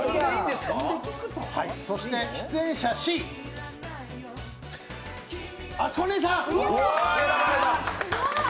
そして出演者Ｃ、あつこおねえさん。